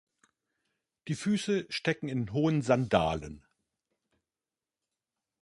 Die Füße stecken in hohen Sandalen.